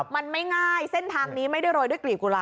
มันไม่ง่ายเส้นทางนี้ไม่ได้โรยด้วยกลีบกุหลา